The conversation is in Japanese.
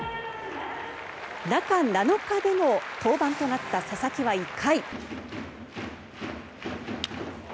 中７日での登板となった佐々木は１回。